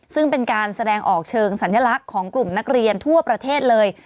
ซึ่งเป็นการแสดงออกเชิงสัญลักษณ์ของกลุ่มนักเรียนทั่วประเทศเลย